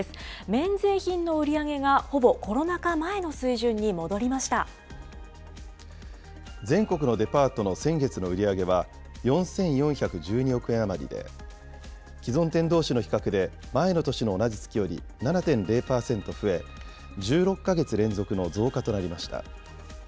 免税品の売り上げが、ほぼコロナ全国のデパートの先月の売り上げは４４１２億円余りで、既存店どうしの比較で、前の年の同じ月より７．０％増え、１６か月連続の増加となりました。